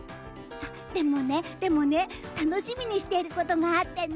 でもねでもね楽しみにしていることがあってね。